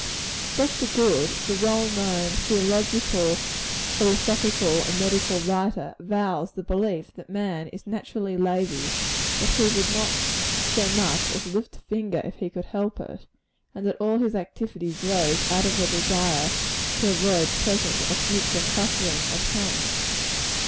Dr. Good, the well known theological, philosophical and medical writer, avows the belief that man is naturally lazy; that he would not so much as lift a finger if he could help it; and that all his activity grows out of a desire to avoid present or future suffering, or pain.